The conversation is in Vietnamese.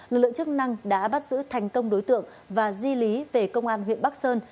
lực lượng chức năng đã bắt giữ thành công đối tượng và di lý về công an huyện bắc sơn